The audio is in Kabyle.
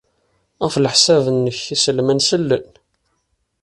Ɣef leḥsab-nnek, iselman sellen?